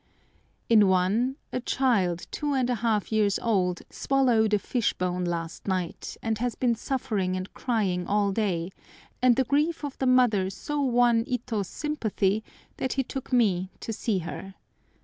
In one a child two and a half years old swallowed a fish bone last night, and has been suffering and crying all day, and the grief of the mother so won Ito's sympathy that he took me to see her.